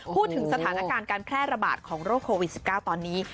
พูดถึงสถานการณ์การแพร่ระบาดของโรคโควิด๑๙ตอนนี้